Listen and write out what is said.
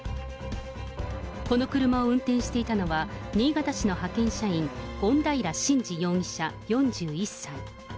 この車を運転していたのは、新潟市の派遣社員、権平慎次容疑者４１歳。